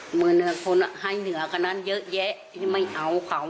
หมื่นนึงคนให้เหนือกับมันเยอะแยะที่ไม่เอาเขา